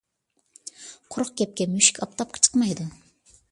قۇرۇق گەپكە مۈشۈك ئاپتاپقا چىقمايدۇ.